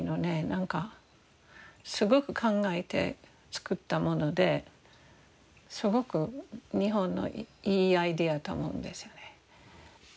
何かすごく考えて作ったものですごく日本のいいアイデアと思うんですよね。